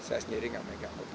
saya sendiri gak memegang kopi